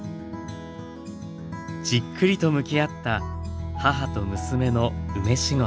じっくりと向き合った母と娘の梅仕事。